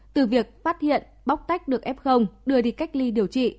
từ việc phát hiện bóc tách được f đưa đi cách ly điều trị